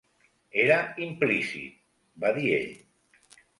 "Era implícit", va dir ell.